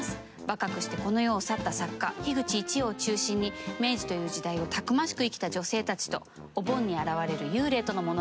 若くしてこの世を去った作家樋口一葉を中心に明治という時代をたくましく生きた女性たちとお盆に現れる幽霊との物語です。